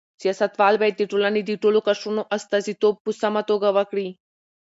سیاستوال باید د ټولنې د ټولو قشرونو استازیتوب په سمه توګه وکړي.